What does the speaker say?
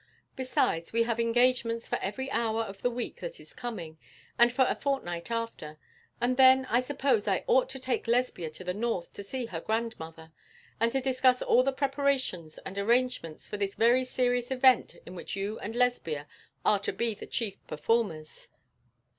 Besides, we have engagements for every hour of the week that is coming, and for a fortnight after; and then I suppose I ought to take Lesbia to the North to see her grandmother, and to discuss all the preparations and arrangements for this very serious event in which you and Lesbia are to be the chief performers.'